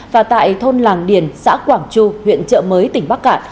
và tại thôn làng điền xã quảng chu huyện trợ mới tỉnh bắc cạn